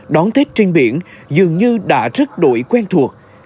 đón tết trên biển dường như đã rất đổi quen thuộc